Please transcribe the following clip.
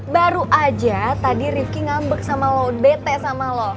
baru aja tadi rifki ngambek sama lo bete sama lo